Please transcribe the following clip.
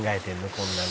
こんなの」